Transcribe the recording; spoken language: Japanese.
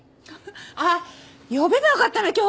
あっ呼べばよかったね今日。